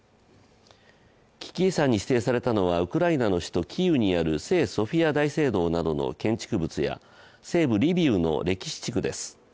危機遺産に指定されたのはウクライナの首都キーウにある聖ソフィア大聖堂などの建築物や西部リビウの歴史地区です。